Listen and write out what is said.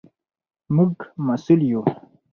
موږ مسوول یو.